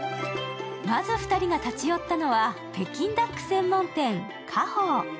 まず２人が立ち寄ったのは北京ダック専門店・華鳳。